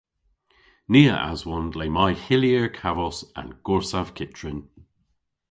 Ni a aswon le may hyllir kavos an gorsav kyttrin.